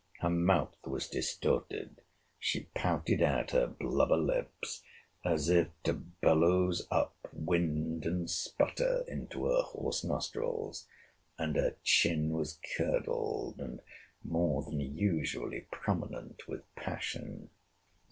Her mouth was distorted. She pouted out her blubber lips, as if to bellows up wind and sputter into her horse nostrils; and her chin was curdled, and more than usually prominent with passion.